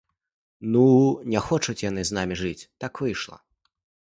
Ну, не хочуць яны з намі жыць, так выйшла!